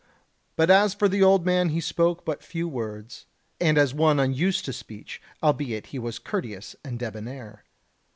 But as for the old man he spoke but few words, and as one unused to speech, albeit he was courteous and debonair.